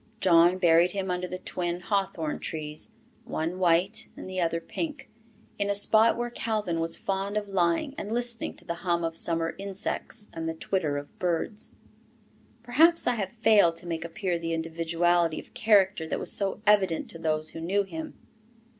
John buried him under the twin hawthorn trees, one white and the other pink, in a spot where Calvin was fond of lying and listening to the hum of summer insects and the twitter of birds. Perhaps I have failed to make appear the individuality of character that was so evident to those who knew him.